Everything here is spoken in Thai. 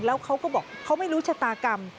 แล้วเขาก็บอกเขาไม่รู้ชะตากรรม